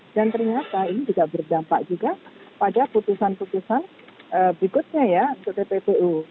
dan ternyata ini juga berdampak juga pada putusan putusan berikutnya ya untuk ptpu